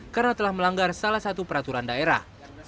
karena telah melanggar salah satu peraturan daerah